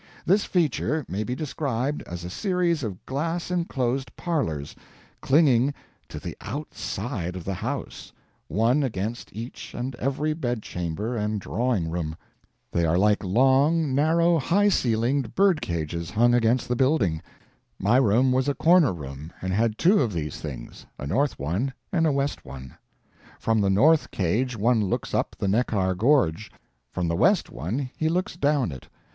This feature may be described as a series of glass enclosed parlors CLINGING TO THE OUTSIDE OF THE HOUSE, one against each and every bed chamber and drawing room. They are like long, narrow, high ceiled bird cages hung against the building. My room was a corner room, and had two of these things, a north one and a west one. From the north cage one looks up the Neckar gorge; from the west one he looks down it.